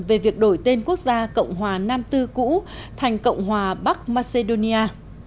về việc đổi tên quốc gia cộng hòa nam tư cũ thành cộng hòa bắc macedonia